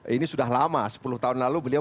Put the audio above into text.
ini sudah lama sepuluh tahun lalu beliau